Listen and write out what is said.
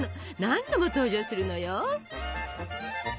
何度も登場するのよ。